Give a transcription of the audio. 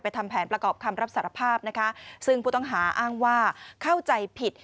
ทำแผนประกอบคำรับสารภาพนะคะซึ่งผู้ต้องหาอ้างว่าเข้าใจผิด